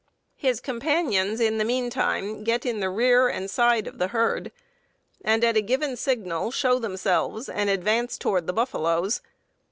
"His companions in the mean time get in the rear and side of the herd, and at a given signal show themselves, and advance towards the buffaloes.